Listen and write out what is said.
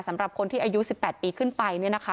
สำหรับคนที่อายุ๑๘ปีขึ้นไปเนี่ยนะคะ